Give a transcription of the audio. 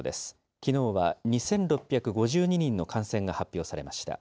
きのうは２６５２人の感染が発表されました。